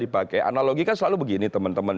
dipakai analogi kan selalu begini teman teman